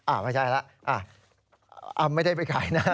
อ้าวไม่ใช่แล้วอ้าวไม่ได้ไปขายนะฮะ